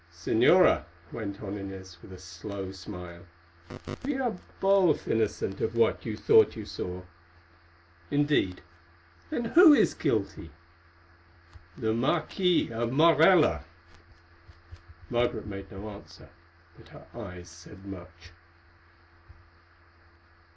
"Señora," went on Inez, with a slow smile, "we are both innocent of what you thought you saw." "Indeed; then who is guilty?" "The Marquis of Morella." Margaret made no answer, but her eyes said much.